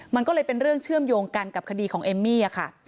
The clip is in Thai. มันก็เลยเป็นเรื่องเชื่อมโยงกันกับคดีของเอมมี่ค่ะ